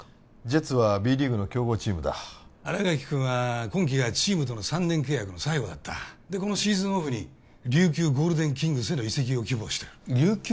ジェッツはＢリーグの強豪チームだ新垣君は今季がチームとの３年契約の最後だったでこのシーズンオフに琉球ゴールデンキングスへの移籍を希望してる琉球？